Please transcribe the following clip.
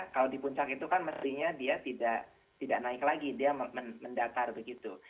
kalau di puncak itu kan mestinya dia tidak naik lagi dia mendatar begitu